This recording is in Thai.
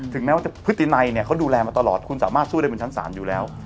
ถึงแม้ว่าจะพฤติในเขาดูแลมาตลอดคุณสามารถสู้ได้เป็นชั้นสามอยู่แล้ว